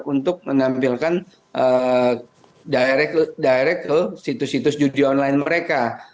untuk menampilkan direct ke situs situs judi online mereka